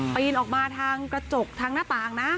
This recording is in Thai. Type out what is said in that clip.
ปีนออกมาทางกระจกทางหน้าต่างนะ